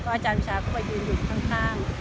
อาจารย์ชาก็มายืนอยู่ข้าง